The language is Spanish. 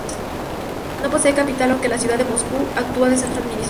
No posee capital aunque la ciudad de Moscú actúa de centro administrativo.